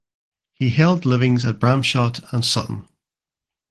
He held livings at Bramshott and Sutton.